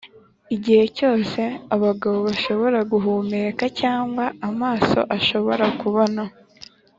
igihe cyose abagabo bashobora guhumeka, cyangwa amaso ashobora kubona,